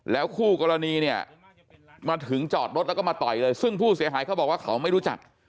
คู่กรณีเนี่ยมาถึงจอดรถแล้วก็มาต่อยเลยซึ่งผู้เสียหายเขาบอกว่าเขาไม่รู้จัก